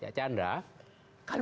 seperti yang kata chandra